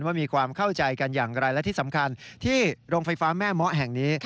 ว่ามีความเข้าใจกันอย่างไรและที่สำคัญที่โรงไฟฟ้าแม่เมาะแห่งนี้